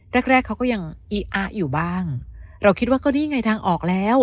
แรกแรกเขาก็ยังอีอะอยู่บ้างเราคิดว่าก็นี่ไงทางออกแล้ว